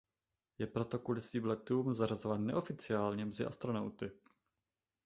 Je proto kvůli svým letům zařazován neoficiálně mezi astronauty.